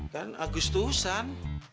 kan agus tuhan